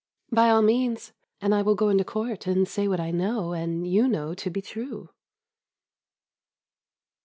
"By all means, and I will go into court and say what I know and you know to be true."